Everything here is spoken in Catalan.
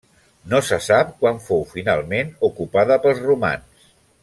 No se sap quan fou finalment ocupada pels romans.